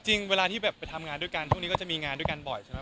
เวลาที่แบบไปทำงานด้วยกันช่วงนี้ก็จะมีงานด้วยกันบ่อยใช่ไหม